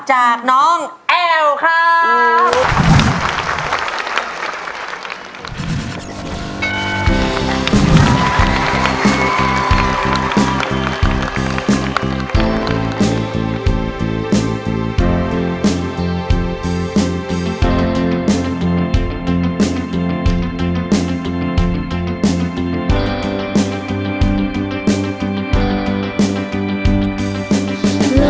จากน้องแอลครับ